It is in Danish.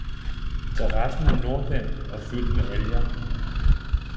Terassen er nordvendt og fyldt med alger